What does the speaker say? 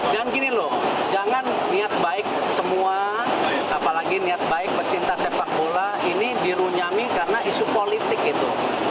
jangan gini loh jangan niat baik semua apalagi niat baik pecinta sepak bola ini dirunyami karena isu politik itu